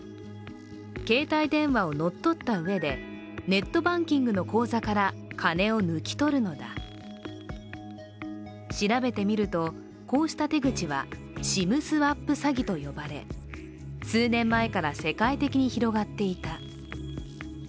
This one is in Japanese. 携帯電話を乗っ取った上でネットバンキングの口座から金を抜き取るのだ調べてみると、こうした手口は、ＳＩＭスワップ詐欺と呼ばれ、数年前から世界的に広がっていた。